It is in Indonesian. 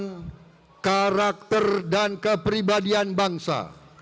dengan karakter dan kepribadian bangsa